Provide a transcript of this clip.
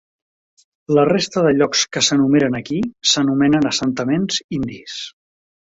La resta de llocs que s'enumeren aquí s'anomenen assentaments indis.